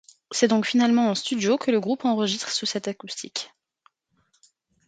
C'est donc finalement en studio que le groupe enregistre ce set acoustique.